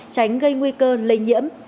tránh gây nguy cơ lây nhiễm